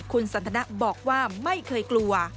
คุณสันทนะบอกว่าไม่เคยกลัว